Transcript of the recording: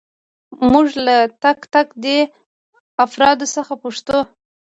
موږ له تک تک دې افرادو څخه پوښتو.